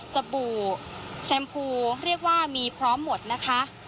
บู่แชมพูเรียกว่ามีพร้อมหมดนะคะ